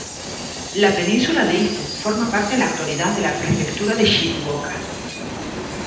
La península de Izu forma parte en la actualidad de la prefectura de Shizuoka.